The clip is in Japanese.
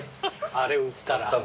あれ売ったら。